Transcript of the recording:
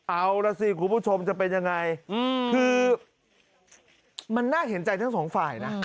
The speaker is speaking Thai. เอาล่ะสิคุณผู้ชมจะเป็นยังไงคือมันน่าเห็นใจทั้งสองฝ่ายนะ